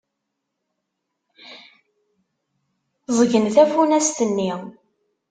Ẓẓgen tafunast-nni.